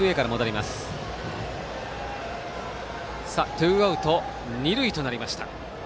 ツーアウト、二塁となりました。